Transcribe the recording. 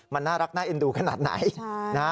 มันน่ารักน่าเอ็นดูขนาดไหน